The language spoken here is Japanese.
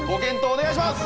お願いします！